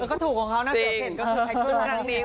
ก็ถูกของเขานะเสื้อเพ่น